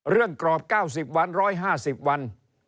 เรื่องกรอบ๙๐วัน๑๕๐วัน